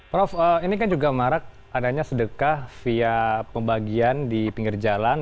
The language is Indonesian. prof ini kan juga marak adanya sedekah via pembagian di pinggir jalan